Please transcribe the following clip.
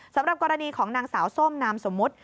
สำหรับกรณีของนางสาวส้มนามสมมุติ